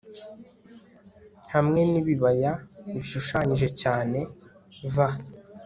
hamwe n'ibibaya bishushanyije cyane v